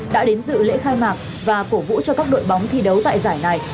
đã đến dự lễ khai mạc và cổ vũ cho các đội bóng thi đấu tại giải này